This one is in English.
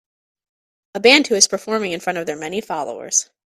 A band who is performing in front of their many followers